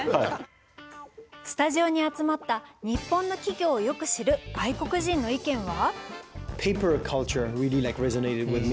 スタジオに集まった日本の企業をよく知る外国人の意見は？